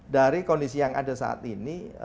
dari kondisi yang ada saat ini